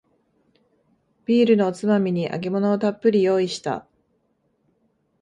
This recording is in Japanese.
ビールのおつまみに揚げ物をたっぷり用意した